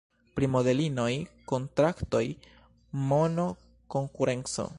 Pri modelinoj, kontraktoj, mono, konkurenco.